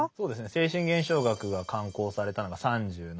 「精神現象学」が刊行されたのが３７歳の時ですね。